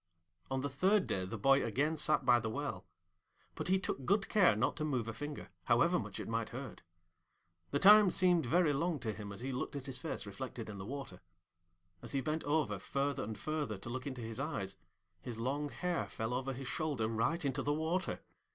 On the third day the boy again sat by the well; but he took good care not to move a finger, however much it might hurt. The time seemed very long to him as he looked at his face reflected in the water. As he bent over further and further to look into his eyes, his long hair fell over his shoulder right into the water.